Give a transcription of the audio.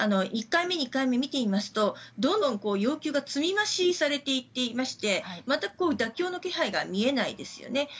１回目、２回目を見ていますとどんどん要求が積み増しされていっていまして全く妥協の気配が見えないですよね。